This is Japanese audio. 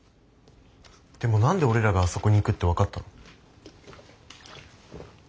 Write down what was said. でも何で俺らがあそこに行くって分かったの？